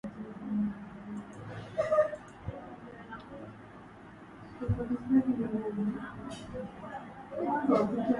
Sauti ya Amerika Swahili imekua mstari wa mbele katika kutangaza matukio muhimu ya dunia na yanayotokea kanda ya Afrika Mashariki na Kati katika kila nyanja.